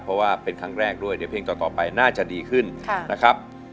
เพราะว่าเป็นครั้งแรกด้วยเดี๋ยวเพลงต่อไปน่าจะดีขึ้นนะครับ